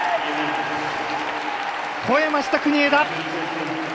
ほえました、国枝！